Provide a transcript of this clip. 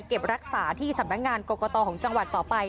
รักษาที่สำนักงานกรกตของจังหวัดต่อไป